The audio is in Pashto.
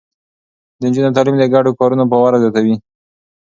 د نجونو تعليم د ګډو کارونو باور زياتوي.